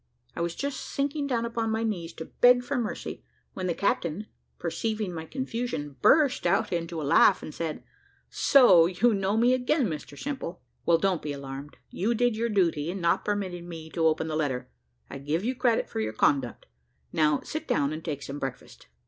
I was just sinking down upon my knees to beg for mercy, when the captain, perceiving my confusion, burst out into a laugh, and said, "So you know me again, Mr Simple? Well, don't be alarmed; you did your duty in not permitting me to open the letter. I give you credit for your conduct. Now sit down and take some breakfast."